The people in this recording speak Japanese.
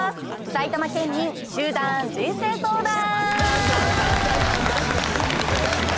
埼玉県民集団人生相談！